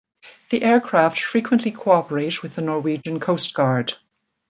The aircraft frequently cooperate with the Norwegian Coast Guard.